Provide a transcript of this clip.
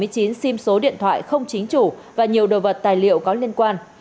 chính chủ và nhiều đồ vật tài liệu có liên quan